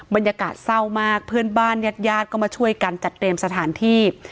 บรรยากาศเศร้ามากเพื่อนบ้านญาติญาติก็มาช่วยกันจัดเตรียมสถานที่